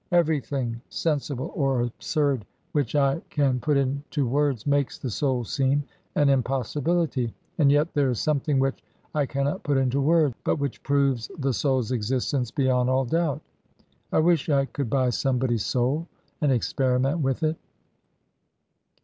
Everything, sensible or absurd, which I can put into words makes the soul seem an impossibility and yet there is something which I cannot put into words, but which proves the soul's existence beyond all doubt. I wish I could buy somebody's soul and experiment with it."